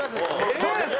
どうですか？